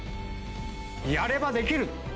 やればできる！